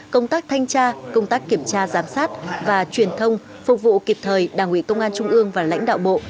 công tác thanh tra công tác kiểm tra giám sát và truyền thông phục vụ kịp thời đảng ủy công an trung ương và lãnh đạo bộ